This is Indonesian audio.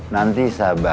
nanti saya akan beri tahu